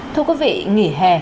thưa quý vị nghỉ hè